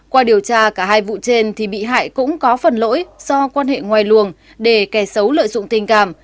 qua điều tra cả hai vụ trên thì bị hại cũng có phần lỗi do quan hệ ngoài luồng để kẻ xấu lợi dụng tình cảm